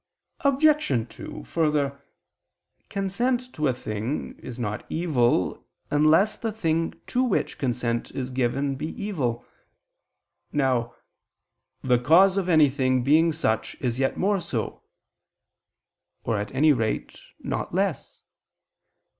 Obj. 2: Further, consent to a thing is not evil, unless the thing to which consent is given be evil. Now "the cause of anything being such is yet more so," or at any rate not less.